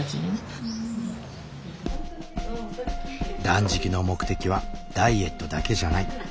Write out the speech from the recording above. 断食の目的はダイエットだけじゃない。